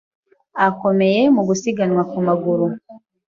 Akomeye mu gusiganwa ku maguru.